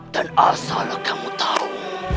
dan asal kamu tahu